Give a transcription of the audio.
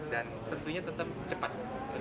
dan tentunya tetap cepat